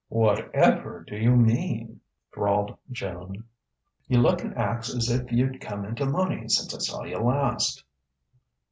"What_ever_ do you mean?" drawled Joan. "You look and act's if you'd come into money since I saw you last."